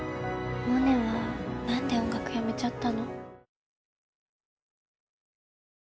モネは何で音楽やめちゃったの？